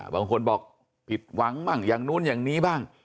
บางคนบอกผิดหวังบ้างอย่างนู้นอย่างนี้บ้าง